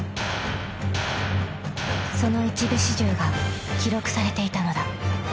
［その一部始終が記録されていたのだ］